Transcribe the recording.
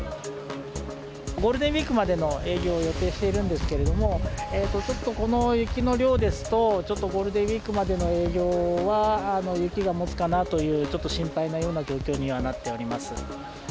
ゴールデンウィークまでの営業を予定しているんですけれども、ちょっとこの雪の量ですと、ちょっとゴールデンウィークまでの営業は、雪がもつかなというちょっと心配なような状況にはなっております。